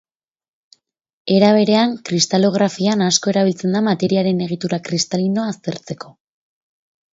Era berean kristalografian asko erabiltzen da materiaren egitura kristalinoa aztertzeko.